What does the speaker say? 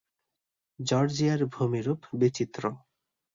জর্জিয়ার ভূমিরূপ বিচিত্র।